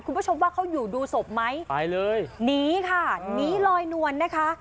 คุณผู้ชมว่าเขาอยู่ดูศพไหมไปเลยหนีค่ะหนีลอยนวลนะคะ